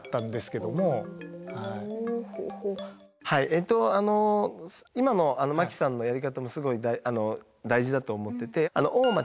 はい今の巻さんのやり方もすごい大事だと思ってて。